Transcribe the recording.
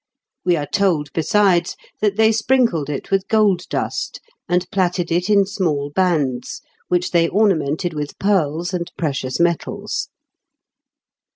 We are told, besides, that they sprinkled it with gold dust, and plaited it in small bands, which they ornamented with pearls and precious metals.